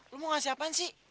lo mau ngasih apaan sih